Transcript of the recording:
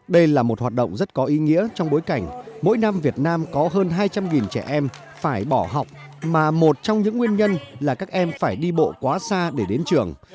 đây là một hoạt động rất có ý nghĩa trong bối cảnh mỗi năm việt nam có hơn hai trăm linh trẻ em phải bỏ học mà một trong những nguyên nhân là các em phải đi bộ quá xa để đến trường